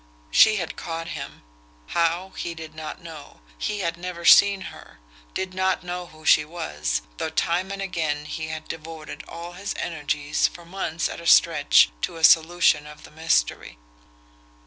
She had caught him how he did not know he had never seen her did not know who she was, though time and again he had devoted all his energies for months at a stretch to a solution of the mystery.